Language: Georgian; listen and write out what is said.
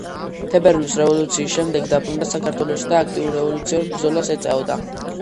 თებერვლის რევოლუციის შემდეგ დაბრუნდა საქართველოში და აქტიურ რევოლუციურ ბრძოლას ეწეოდა.